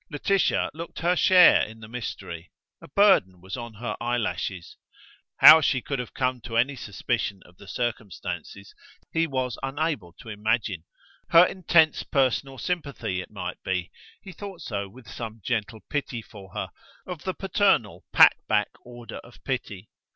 Laetitia looked her share in the mystery. A burden was on her eyelashes. How she could have come to any suspicion of the circumstances, he was unable to imagine. Her intense personal sympathy, it might be; he thought so with some gentle pity for her of the paternal pat back order of pity.